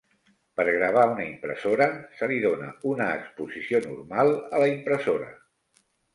Per gravar una impressora, se li dóna una exposició normal a la impressora.